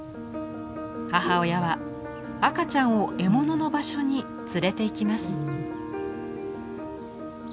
母親は赤ちゃんを獲物の場所に連れて行きます。